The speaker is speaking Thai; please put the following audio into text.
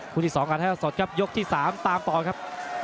คู่ที่สองการแท้สดครับยกที่สามตามต่อครับ